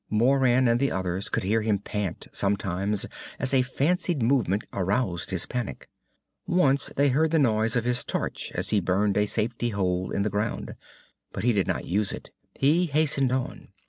Moran and the others could hear him pant, sometimes, as a fancied movement aroused his panic. Once they heard the noise of his torch as he burned a safety hole in the ground. But he did not use it. He hastened on.